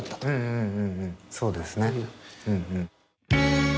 うんうんそうですね。